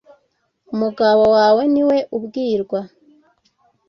umugabo wawe niwe ubwirwa